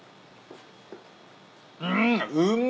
うん。